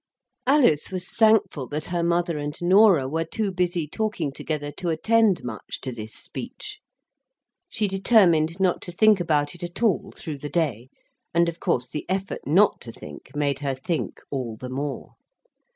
Alice was thankful that her mother and Norah were too busy talking together to attend much to this speech. She determined not to think about it at all through the day; and, of course, the effort not to think made her think all the more.